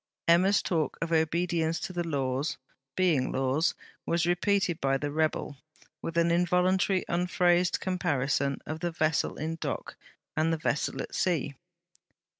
Emma's talk of obedience to the Laws, being Laws, was repeated by the rebel, with an involuntary unphrased comparison of the vessel in dock and the vessel at sea.